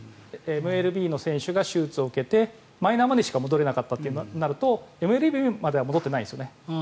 ＭＬＢの選手が手術を受けてマイナーリーグまで戻らなかったとなるとＭＬＢまでは戻ってないんですよね。